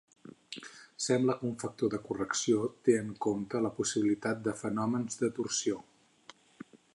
Sembla que un factor de correcció té en compte la possibilitat de fenòmens de torsió.